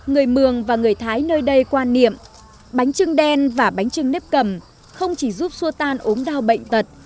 người mường và người thái nơi đây quan niệm bánh trưng đen và bánh trưng nếp cầm không chỉ giúp xua tan ốm đau bệnh tật